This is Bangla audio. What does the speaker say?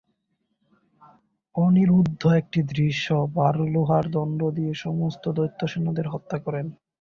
অনিরুদ্ধ একটি অদৃশ্য বড়ো লোহার দণ্ড দিয়ে সমস্ত দৈত্য সেনাদের হত্যা করেন।